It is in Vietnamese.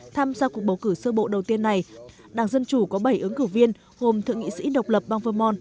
tham gia cuộc bầu cử sơ bộ đầu tiên này đảng dân chủ có bảy ứng cử viên gồm thượng nghị sĩ độc lập bang vermont